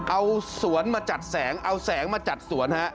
เอาสวนมาจัดแสงเอาแสงมาจัดสวนฮะ